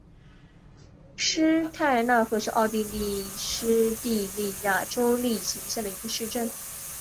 施泰纳赫是奥地利施蒂利亚州利岑县的一个市镇。